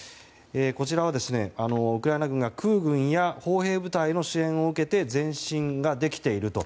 こちらはウクライナ軍が空軍や砲兵部隊の支援を受けて前進ができていると。